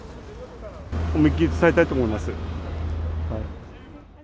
思いっ切り伝えたいと思います。